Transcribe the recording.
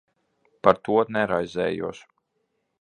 Par to neraizējos.